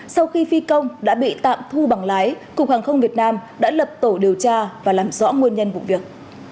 sau khi phi công đã bị tạm thu bằng lái cục hàng không việt nam đã lập tổ điều tra và làm rõ nguồn nhân vụ việc